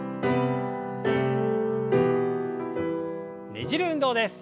ねじる運動です。